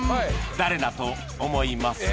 誰だと思いますか？